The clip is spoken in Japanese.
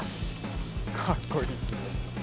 かっこいい。